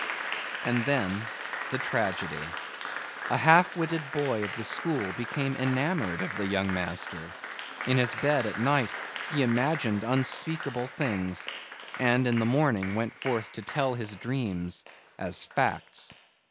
And then the tragedy. A half witted boy of the school became enamored of the young master. In his bed at night he imagined unspeakable things and in the morning went forth to tell his dreams as facts.